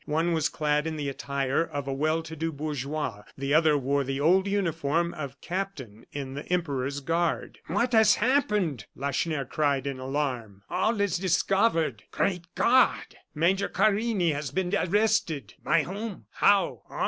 One was clad in the attire of a well to do bourgeois; the other wore the old uniform of captain in the Emperor's guard. "What has happened?" Lacheneur cried, in alarm. "All is discovered!" "Great God!" "Major Carini has been arrested." "By whom? How?"